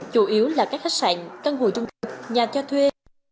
chủ yếu là các khách sạn căn hồi trung tâm nhà cho thuê